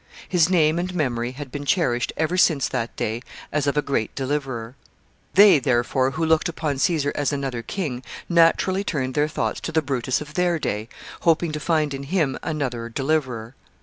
His name and memory had been cherished ever since that day as of a great deliverer. [Sidenote: The history of Brutus.] They, therefore, who looked upon Caesar as another king, naturally turned their thoughts to the Brutus of their day, hoping to find in him another deliverer.